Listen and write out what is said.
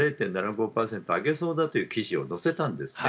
０．７５％上げそうだという記事を載せたんです。